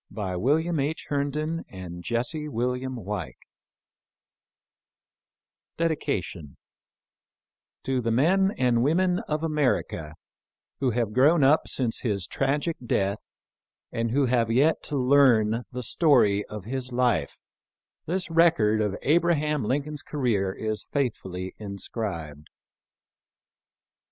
^i^'/l^dS COPYRIGHT, T88g, BV BELFORD, CLARKE & COMPANY TO THE MEN AND WOMEN OF AMERICA WHO HAVE GROWN UP SINCE HIS TRAGIC DEATH, AND WHO HAVE YET TO LEARN THE STORY OF HIS LIFE, THIS RECORD OF ABRAHAM LINCOLN'S CAREER IS FAITHFULLY INSCRI'BED.